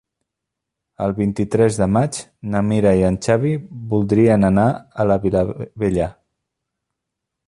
El vint-i-tres de maig na Mira i en Xavi voldrien anar a la Vilavella.